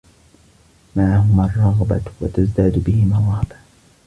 مَعَهُمَا الرَّغْبَةُ ، وَتَزْدَادُ بِهِمَا الرَّهْبَةُ